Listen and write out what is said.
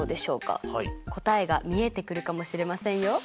答えが見えてくるかもしれませんよ。